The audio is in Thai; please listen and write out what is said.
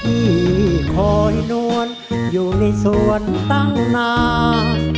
อีขอให้น้วนอยู่ในสวนตั้งนาน